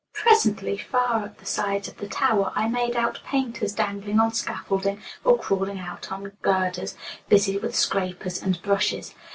Presently, far up the sides of the tower, I made out painters dangling on scaffolding or crawling out on girders, busy with scrapers and brushes.